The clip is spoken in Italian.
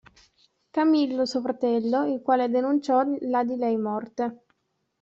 Camillo suo fratello, il quale denunciò la di lei morte.